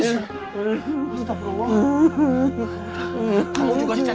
si pebri itu masih kecil